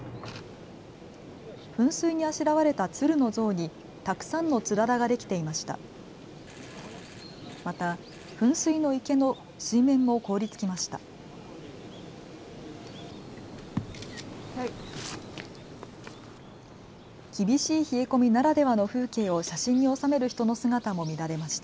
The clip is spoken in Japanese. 噴水にあしらわれたツルの像にたくさんのつららができていました。